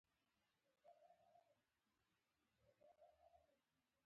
غوږونه څک نيولي وو او سترګې مې نمجنې وې.